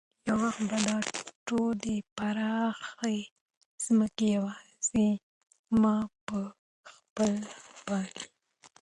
یو وخت به دا ټولې پراخې ځمکې یوازې ما په خپله پاللې.